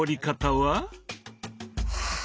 はあ。